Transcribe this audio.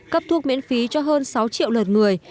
cấp thuốc miễn phí cho hơn sáu triệu lượt người